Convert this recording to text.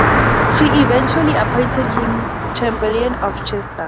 She eventually appointed him Chamberlain of Chester.